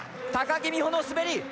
高木美帆の滑り！